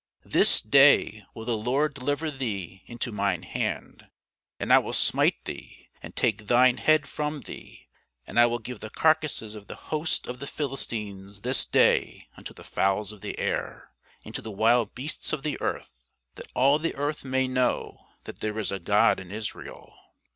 This day will the Lord deliver thee into mine hand; and I will smite thee, and take thine head from thee; and I will give the carcasses of the host of the Philistines this day unto the fowls of the air, and to the wild beasts of the earth; that all the earth may know that there is a God in Israel.